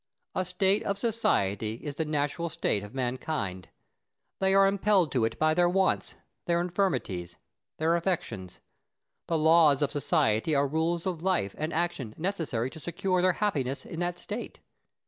A state of society is the natural state of mankind. They are impelled to it by their wants, their infirmities, their affections. The laws of society are rules of life and action necessary to secure their happiness in that state.